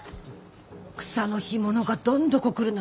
草の干物がどんどこ来るなんて